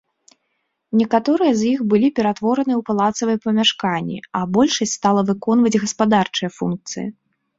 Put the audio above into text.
Некаторыя з іх былі ператвораныя ў палацавыя памяшканні, а большасць стала выконваць гаспадарчыя функцыі.